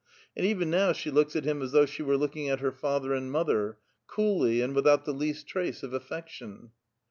And even now she looks at him as thouuh she were lookinor at her father and mother, — coollv, and without the least trace of affection.